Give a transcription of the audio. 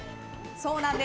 そうなんです。